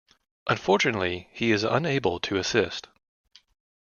Unfortunately, he is unable to assist.